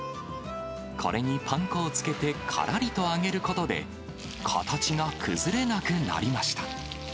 これにパン粉をつけてからりと揚げることで、形が崩れなくなりました。